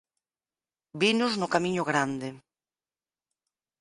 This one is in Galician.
Vinos no camiño grande.